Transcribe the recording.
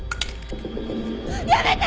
やめて！